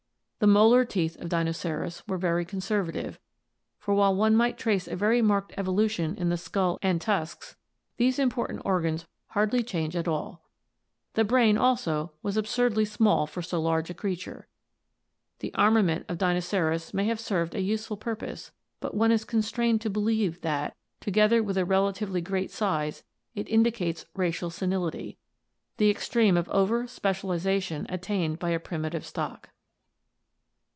The molar teeth of Dinoceras were very conservative, for while one may trace a very marked evolution in the skull and tusks, these impor 558 ORGANIC EVOLUTION tant organs hardly change at all (see Fig. 181). The brain also was absurdly small for so large a creature. The armament of Dinoceras may have served a useful purpose but one is constrained to believe that, together with the relatively great size, it indicates racial senility — the extreme of over specialization attained by a primitive stock.